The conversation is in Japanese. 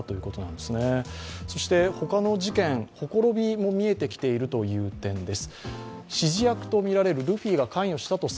ほかの事件、ほころびも見えてきているという点です。